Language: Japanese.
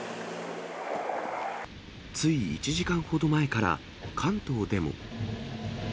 つい１時間ほど前から、関東でも。